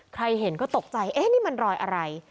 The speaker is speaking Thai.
ใครเห็นก็ตกใจเอ๊ะนี่มันรอยอะไร